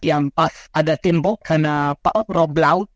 yang pas ada timbul kena parok rob laut